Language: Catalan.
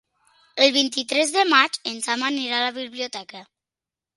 El vint-i-tres de maig en Sam anirà a la biblioteca.